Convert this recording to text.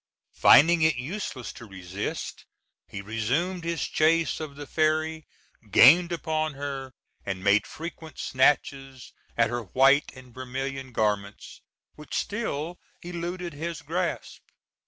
Finding it useless to resist, he resumed his chase of the fairy, gained upon her, and made frequent snatches at her white and vermilion garments, which still eluded his grasp.